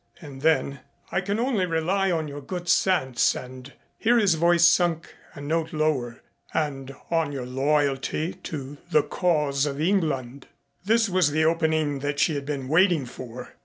And then, "I can only rely on your good sense and" here his voice sunk a note lower "and on your loyalty to the cause of England." This was the opening that she had been waiting for.